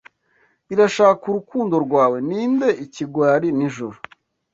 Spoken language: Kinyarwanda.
Irashaka urukundo rwawe; ninde, ikigwari, nijoro